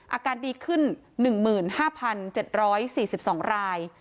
อาการดีขึ้น๑๕๗๔๒ราย